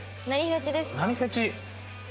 何フェチ？